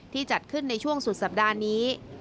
จัดขึ้นในช่วงสุดสัปดาห์นี้